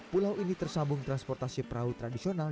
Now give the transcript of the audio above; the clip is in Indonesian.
pulau ini tersambung transportasi perahu tradisional